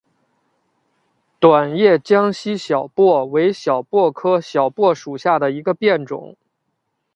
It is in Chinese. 短叶江西小檗为小檗科小檗属下的一个变种。